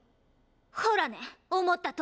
ほらね思ったとおり！